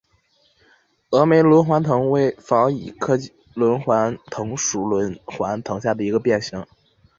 峨眉轮环藤为防己科轮环藤属轮环藤下的一个变型。